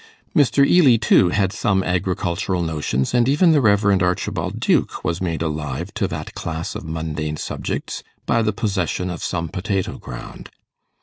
Mr. Ely, too, had some agricultural notions, and even the Rev. Archibald Duke was made alive to that class of mundane subjects by the possession of some potato ground.